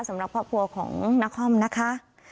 สำหรับครอบครัวของนักฮ่อมนะคะ